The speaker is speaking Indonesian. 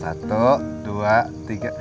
satu dua tiga